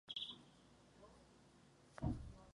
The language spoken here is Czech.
Dosažení tohoto cíle se však nedožil.